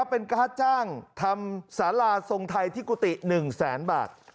เป็นค่าจ้างทำสาราทรงไทยที่กุฏิ๑แสนบาท